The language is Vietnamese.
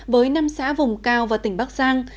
với năm xã vùng cao và tỉnh bắc giang